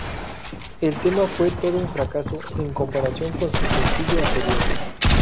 El tema fue todo un fracaso en comparación con su sencillo anterior.